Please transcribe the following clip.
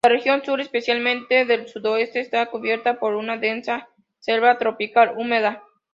La región sur, especialmente el sudoeste, está cubierta por una densa selva tropical húmeda.